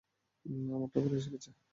আমার টপার এসে গেছে।